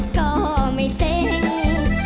มาหลอกรักชักจุงแล้วทำให้เค้ง